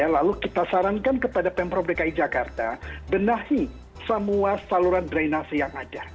lalu kita sarankan kepada pemprov dki jakarta benahi semua saluran drainase yang ada